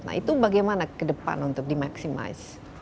nah itu bagaimana ke depan untuk dimaksimaisi